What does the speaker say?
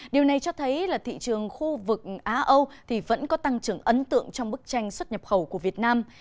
điều này cho thấy là thị trường khu vực á âu vẫn có tăng trưởng ấn tượng trong bức tranh xuất nhập khẩu của việt nam